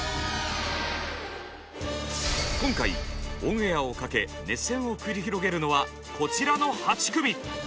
今回オンエアをかけ熱戦を繰り広げるのはこちらの８組！